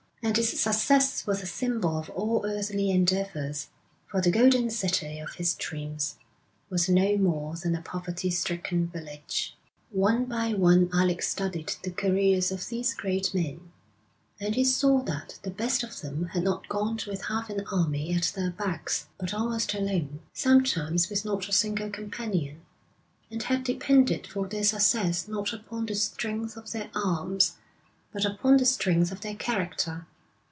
And his success was a symbol of all earthly endeavours, for the golden city of his dreams was no more than a poverty stricken village. One by one Alec studied the careers of these great men; and he saw that the best of them had not gone with half an army at their backs, but almost alone, sometimes with not a single companion, and had depended for their success not upon the strength of their arms, but upon the strength of their character.